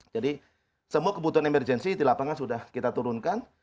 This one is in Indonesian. jadi semua kebutuhan emergensi di lapangan sudah kita turunkan